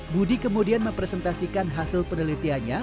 budi kemudian mempresentasikan hasil penelitiannya